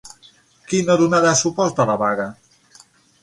Qui no donarà suport a la vaga?